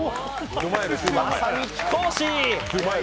まさに貴公子！